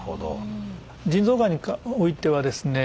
腎臓がんにおいてはですね